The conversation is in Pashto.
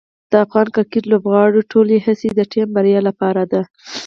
د افغان کرکټ لوبغاړو ټولې هڅې د ټیم بریا لپاره دي.